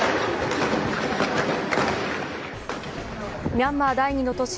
ミャンマー第２の都市